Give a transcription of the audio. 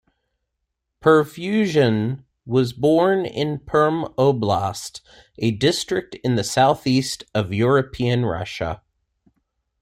Pervushin was born in Perm Oblast, a district in the southeast of European Russia.